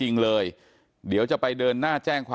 มีเสียงหมอเอกใช่ไหมฮะ